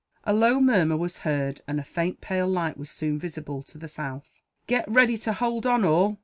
A low murmur was heard, and a faint pale light was soon visible to the south. "Get ready to hold on, all!"